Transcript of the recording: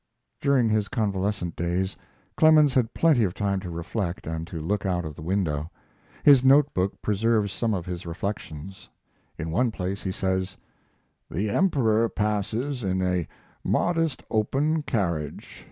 During his convalescent days, Clemens had plenty of time to reflect and to look out of the window. His notebook preserves some of his reflections. In one place he says: The Emperor passes in a modest open carriage.